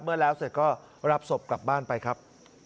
เมื่อแล้วเสร็จก็รับศพกลับบ้านไปครับ